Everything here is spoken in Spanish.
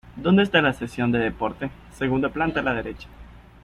¿Dónde esta la sección de deportes? segunda planta a la derecha